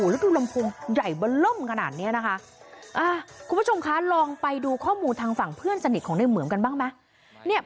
แล้วดูลำโพงใหญ่เบอร์เริ่มขนาดนี้นะคะคุณผู้ชมคะลองไปดูข้อมูลทางฝั่งเพื่อนสนิทของในเหมืองกันบ้างไหม